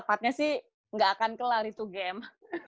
dapatnya sih nggak akan kelar itu game